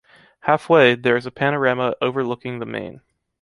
Halfway, there is a panorama overlooking the Main.